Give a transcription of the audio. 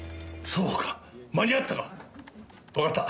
そうか間に合ったか！